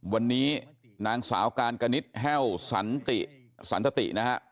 วันนี้นางสาวการกนิดแห้วสันติสันตตินะฮะ